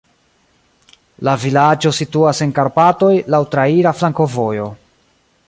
La vilaĝo situas en Karpatoj, laŭ traira flankovojo.